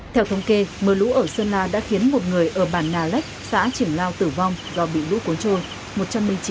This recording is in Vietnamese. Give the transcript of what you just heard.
theo thống kê mưa lũ ở sơn la đã khiến một người ở bản nà lách xã triển lao tử vong do bị lũ cuốn trôi